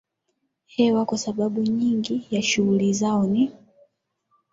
hewa kwa sababu nyingi ya shughuli zao ni